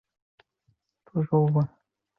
它是世界汽车工业国际协会的成员之一。